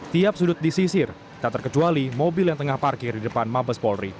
tiap sudut disisir tak terkecuali mobil yang tengah parkir di depan mabes polri